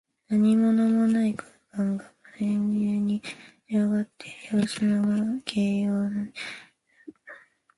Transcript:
何物もない空間が、無辺際に広がっている様子の形容。「縹渺」は広々としている様。遠くはるかに見えるさま。